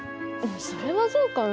それはどうかな。